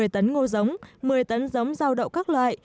một mươi tấn ngô giống một mươi tấn giống rau đậu các loại